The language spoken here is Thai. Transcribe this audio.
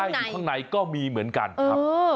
อยู่ข้างในก็มีเหมือนกันครับ